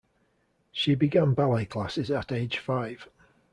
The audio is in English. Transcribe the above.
She began ballet classes at age five.